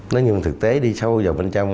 nói như thực tế đi sâu vào bên trong